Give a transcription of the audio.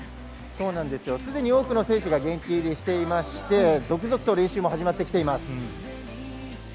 すでに多くの選手が現地入りしていまして続々と練習も始まってきています。